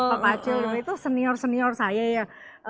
pak pacul itu senior senior saya ya